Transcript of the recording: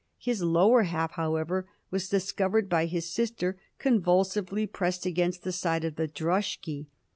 His lower half, however, was discovered by his sister convulsively pressed against the side of the droshky.